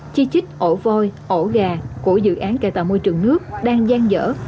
chi trích ổ voi ổ gà của dự án cài tạo môi trường nước đang gian dở